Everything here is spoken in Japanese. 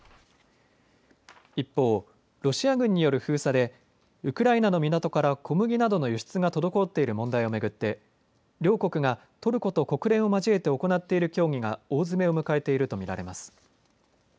一方、ロシア軍による封鎖でウクライナの港から小麦などの輸出が滞っている問題を巡って両国がトルコと国連を交えて行っている協議が大詰めを迎えていると見られます。